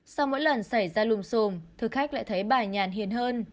sau mỗi lần xảy ra lùm xùm thực khách lại thấy bà nhản hiền hơn